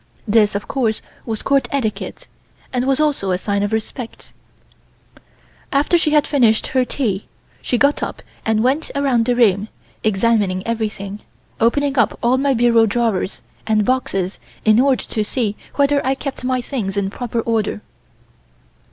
This of course was Court etiquette, and was also a sign of respect After she had finished her tea, she got up and went around the room, examining everything, opening up all my bureau drawers and boxes in order to see whether I kept my things in proper order.